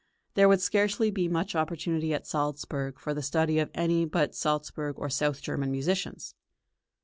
There would scarcely be much opportunity at Salzburg for the study of any but Salzburg or south German musicians.